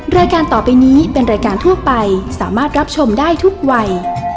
รายการต่อไปนี้เป็นรายการทั่วไปสามารถรับชมได้ทุกวัย